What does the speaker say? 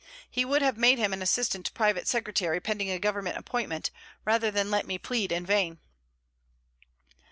He would have made him an assistant private Secretary, pending a Government appointment, rather than let me plead in vain.'